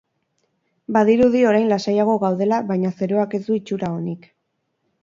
Badirudi orain lasaiago gaudela baina zeruak ez du itxura onik.